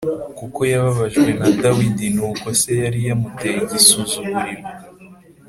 kuko yababajwe na Dawidi n’uko se yari yamuteye igisuzuguriro.